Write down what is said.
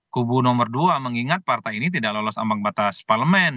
kubu nomor dua mengingat partai ini tidak lolos ambang batas parlemen